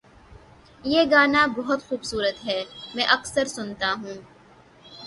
یہ گانا بہت خوبصورت ہے، میں اکثر سنتا ہوں